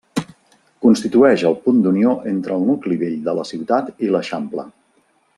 Constitueix el punt d'unió entre el nucli vell de la ciutat i l'Eixample.